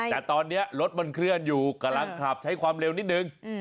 แต่ตอนนี้รถมันเคลื่อนอยู่กำลังขับใช้ความเร็วนิดนึง